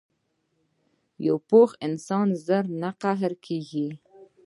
پوخ انسان ژر نه قهرېږي